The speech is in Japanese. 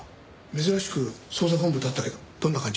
珍しく捜査本部立ったけどどんな感じ？